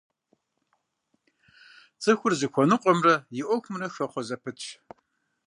ЦӀыхур зыхуэныкъуэмрэ и Ӏуэхумрэ хэхъуэ зэпытщ.